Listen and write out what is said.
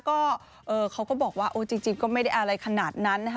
ก็เขาก็บอกว่าโอ้จริงก็ไม่ได้อะไรขนาดนั้นนะคะ